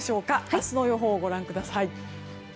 明日の予報をご覧ください。